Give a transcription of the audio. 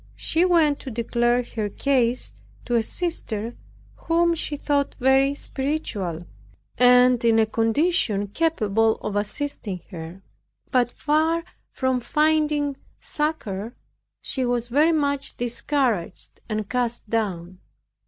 She went to declare her case to a sister whom she thought very spiritual, and in a condition capable of assisting her. But far from finding succor, she was very much discouraged and cast down.